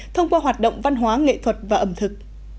thông qua hoạt động văn hóa nghệ thuật và ẩm thực